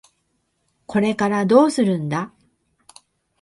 これからどうするんだ？